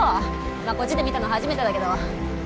まあこっちで見たの初めてだけど。